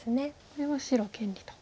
これは白権利と。